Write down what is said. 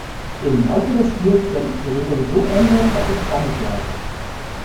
Im Laufe des Spiels werde ich die Regeln so ändern, dass es spannend bleibt.